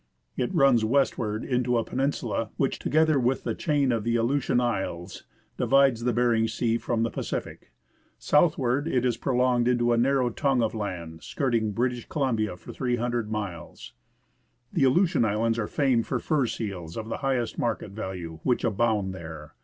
It runs westward into a peninsula, which, together with the chain of the Aleutian Isles, divides the Behring Sea from the Pacific ; southward it is pro longed into a narrow tongue of land skirting British Columbia for 300 miles. The Aleutian Islands are famed for fur seals of the highest market value, which abound there.